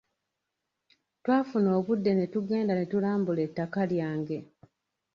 Twafuna obudde ne tugenda ne tulambula ettaka lyange.